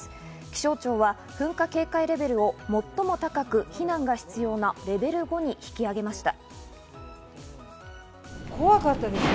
気象庁は噴火警戒レベルを最も高く、避難が必要なレベル５に引き上げました。